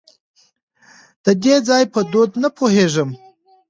د دې ځای په دود نه پوهېږم .